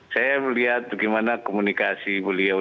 saya melihat bagaimana komunikasi beliau